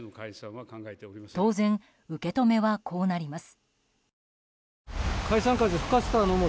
当然、受け止めはこうなります。